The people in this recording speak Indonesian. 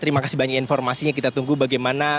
terima kasih banyak informasinya kita tunggu bagaimana